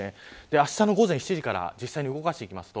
あしたの午前７時から実際に動かしていきます。